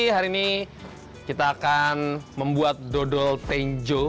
hari ini kita akan membuat dodol tenjo